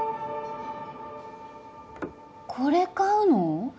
これ買うの？